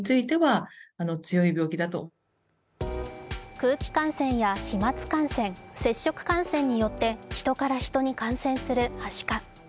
空気感染や飛まつ感染、接触感染によって人から人に感染するはしか。